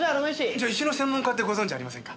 じゃ石の専門家ってご存じありませんか？